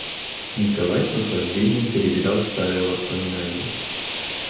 Николай с наслаждением перебирал старые воспоминания.